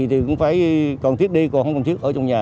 thì cũng phải cần thiết đi còn không cần thiết ở trong nhà